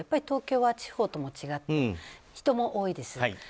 東京は地方とも違って人も多いです。